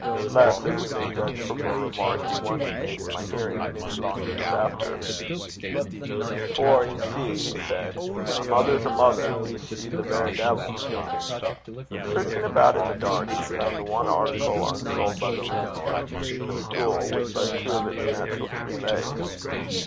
Less if we may judge from a remark he once made in my hearing many long years after: 'For, ye see,' he said, 'a mither's a mither, be she the verra de'il.' Searching about in the dark, he found the one article unsold by the landlord, a stool, with but two of its natural three legs.